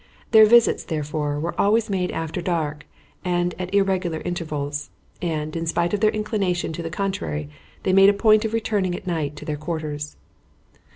Their visits, therefore, were always made after dark, and at irregular intervals, and, in spite of their inclination to the contrary they made a point of returning at night to their quarters.